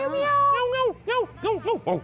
เมี๊ว